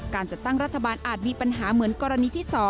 การจัดตั้งรัฐบาลอาจมีปัญหาเหมือนกรณีที่๒